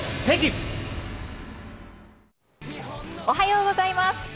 おはようございます。